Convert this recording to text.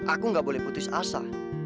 aku gak boleh putus asa